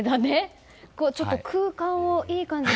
ちょっと空間をいい感じに。